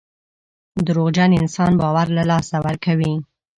دروغجن انسان باور له لاسه ورکوي.